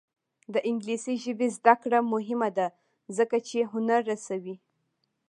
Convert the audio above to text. د انګلیسي ژبې زده کړه مهمه ده ځکه چې هنر رسوي.